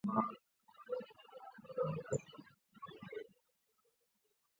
被列入这本书中的名山后来成为游客们向往的游览胜地。